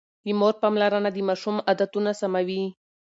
د مور پاملرنه د ماشوم عادتونه سموي.